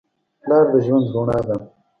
پلار د ژوند رڼا ده.